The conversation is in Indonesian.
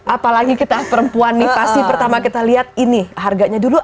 apalagi kita perempuan nih pasti pertama kita lihat ini harganya dulu